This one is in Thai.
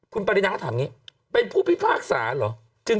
คุณปรินาก็ถามอย่างนี้เป็นผู้พิพากษาเหรอ